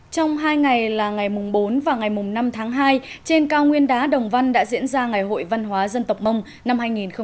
trong hai ngày là ngày bốn và ngày năm tháng hai trên cao nguyên đá đồng văn đã diễn ra ngày hội văn hóa dân tộc mông năm hai nghìn một mươi chín